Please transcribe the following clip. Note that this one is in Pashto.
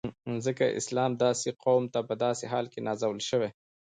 ځکه اسلام داسی قوم ته په داسی حال کی نازل سوی